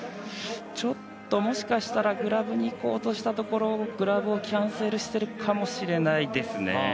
ちょっともしかしたらグラブにいこうとしたところグラブをキャンセルしているかもしれないですね。